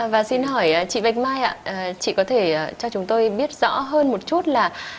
và xin hỏi chị bạch mai ạ chị có thể cho chúng tôi biết rõ hơn một chút là